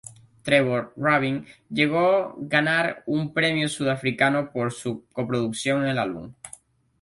Trevor Rabin llegó ganar un premio sudafricano por su co-producción en el álbum.